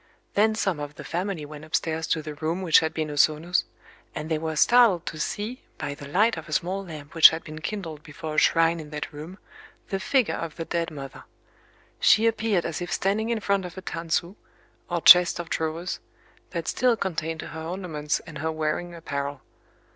Then some of the family went upstairs to the room which had been O Sono's; and they were startled to see, by the light of a small lamp which had been kindled before a shrine in that room, the figure of the dead mother. She appeared as if standing in front of a tansu, or chest of drawers, that still contained her ornaments and her wearing apparel.